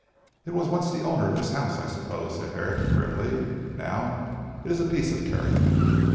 "It was once the owner of this house I suppose," said Herrick grimly. "Now, it is a piece of carrion.